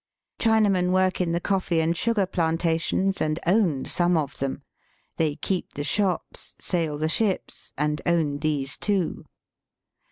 Chinamen work in the cofifee and sugar plantations, and own some of them. They keep the shops, sail the ships, and own these too.